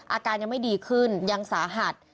อาการยังไม่ดีขึ้นยังสาหัส